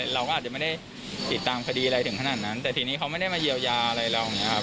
เราก็อาจจะไม่ได้ติดตามคดีอะไรถึงขนาดนั้นแต่ทีนี้เขาไม่ได้มาเยียวยาอะไรเราอย่างนี้ครับ